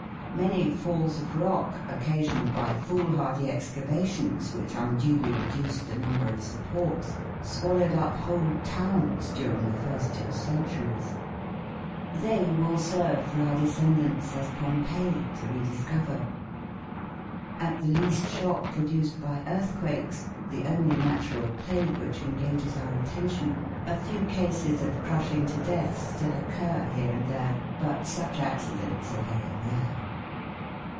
Many falls of rock, occasioned by foolhardy excavations, which unduly reduced the number of supports, swallowed up whole towns during the first two centuries. They will serve for our descendants as Pompeii to rediscover. At the least shock produced by earthquakes (the only natural plague which engages our attention), a few cases of crushing to death still occur here and there, but such accidents are very rare.